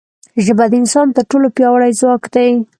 ژبه د انسان تر ټولو پیاوړی ځواک دی